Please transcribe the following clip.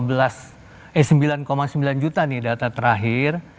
eh sembilan sembilan juta nih data terakhir